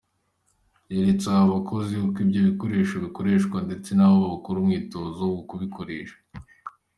Yeretse abo bakozi uko ibyo bikoresho bikoreshwa, ndetse na bo bakora umwitozo wo kubikoresha.